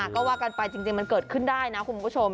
ก็ว่ากันไปจริงมันเกิดขึ้นได้นะคุณผู้ชม